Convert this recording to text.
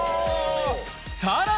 さらに！